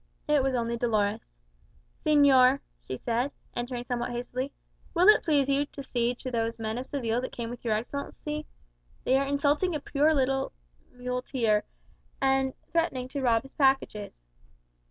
It was only Dolores. "Señor," she said, entering somewhat hastily, "will it please you to see to those men of Seville that came with your Excellency? They are insulting a poor little muleteer, and threatening to rob his packages."